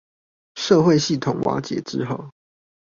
社會系統瓦解之後